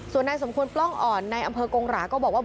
ส่วนนายสมควรปล้องอ่อนในอำเภอกงหราก็บอกว่า